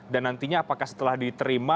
dan nantinya apakah setelah diterima